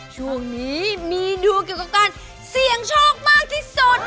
ช่วงนี้มีดูเกี่ยวกับการเสี่ยงโชคมากที่สุด